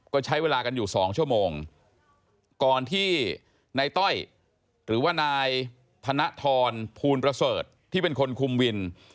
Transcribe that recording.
ก็ใช้เวลากันอยู่สองชั่วโมงก่อนที่นายต้อยหรือว่านายธนทรภูลประเสริฐที่เป็นคนคุมวิน